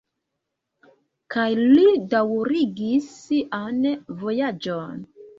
Kaj li daŭrigis sian vojaĝon.